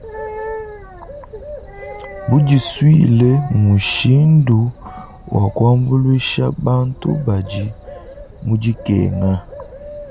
Budisuile mmushindu wa kuambuluisha bantu badi mu dikenga.